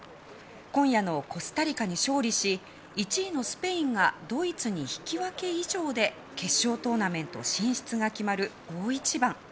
今夜のコスタリカに勝利し１位のスペインがドイツに引き分け以上で決勝トーナメント進出が決まる大一番。